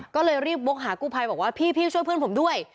ก็เลยรีบวกหากู้ภัยบอกว่าพี่ช่วยเพื่อนผมด้วย